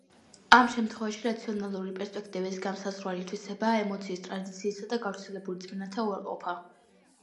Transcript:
ამ შემთხვევებში რაციონალური პერსპექტივის განმსაზღვრელი თვისებაა ემოციის, ტრადიციისა და გავრცელებულ რწმენათა უარყოფა.